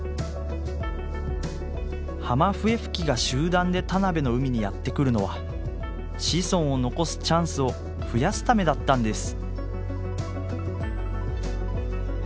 ハマフエフキが集団で田辺の海にやって来るのは子孫を残すチャンスを増やすためだったんです。